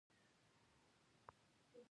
پکتیا د افغان کلتور په داستانونو کې راځي.